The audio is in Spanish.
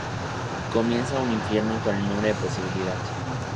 Comienza un infierno con el nombre de posibilidad.